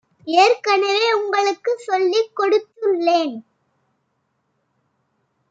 ஏற்கனவே உங்களுக்கு சொல்லிக் கொடுத்துள்ளேன்.